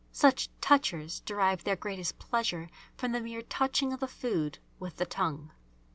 Such "touchers" derive their greatest pleasure from the mere touching of the food with the tongue.